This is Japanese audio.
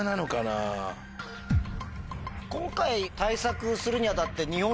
今回対策するに当たって。